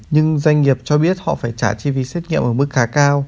nhưng doanh nghiệp cho biết họ phải trả chi phí xét nghiệm ở mức khá cao